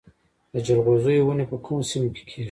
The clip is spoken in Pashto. د جلغوزیو ونې په کومو سیمو کې کیږي؟